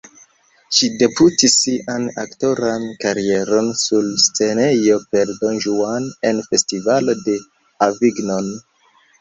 Ŝi debutis sian aktoran karieron sur scenejo, per "Don Juan" en Festivalo de Avignon.